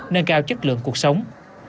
nâng cao chất lượng cuộc sống